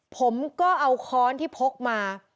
ผมก็เอาค้อนที่พกมา